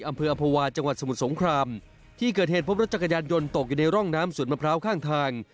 อำเภออภาวะจังหวัดสมุทรสงครามที่เกิดเหตุพบรถจักรยานยนต์ตกอยู่ในร่องน้ำสวนมะพร้าวข้างทาง